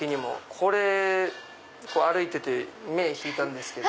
これ歩いてて目引いたんですけど。